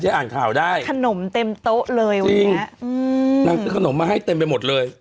อ่านข่าวได้ขนมเต็มโต๊ะเลยวันนี้อืมนางซื้อขนมมาให้เต็มไปหมดเลย